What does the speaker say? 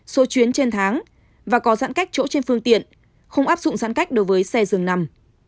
số chuyến trên tháng và có giãn cách chỗ trên phương tiện không áp dụng giãn cách đối với xe dường nằm